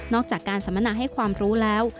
จากการสัมมนาให้ความรู้แล้ว